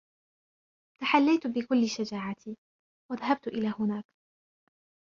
تحليت بكل شجاعتي و ذهبت إلى هناك.